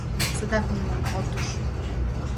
— Садак нимом от уж.